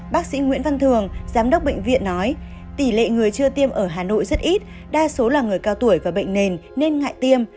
bác sĩ nguyễn văn thường giám đốc bệnh viện nói tỷ lệ người chưa tiêm ở hà nội rất ít đa số là người cao tuổi và bệnh nền nên ngại tiêm